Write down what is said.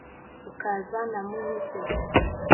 Rukaza na Muyunzwe